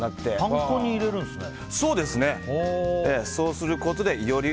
パン粉に入れるんですね。